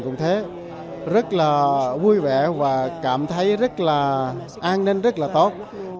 tôi cảm thấy rất là vui vẻ và cảm thấy rất là an ninh rất là tốt